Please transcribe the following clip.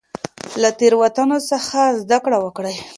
له تیروتنو څخه زده کړه وکړئ.